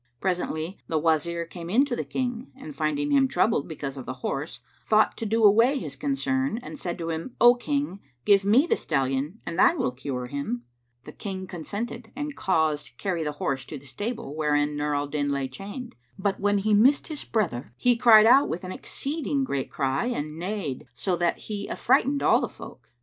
Presently the Wazir came into the King; and finding him troubled because of the horse, thought to do away his concern and said to him, "O King, give me the stallion and I will cure him," The King consented and caused carry the horse to the stable wherein Nur al Din lay chained; but, when he missed his brother, he cried out with an exceeding great cry and neighed, so that he affrighted all the folk.